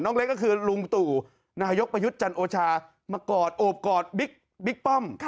เล็กก็คือลุงตู่นายกประยุทธ์จันโอชามากอดโอบกอดบิ๊กป้อม